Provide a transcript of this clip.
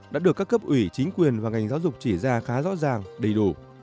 đã được các cấp ủy chính quyền và ngành giáo dục chỉ ra khá rõ ràng đầy đủ